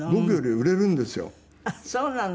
あっそうなの？